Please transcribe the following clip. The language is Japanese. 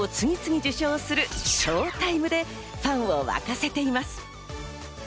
現在は各賞を次々受賞する賞タイムでファンを沸かせています。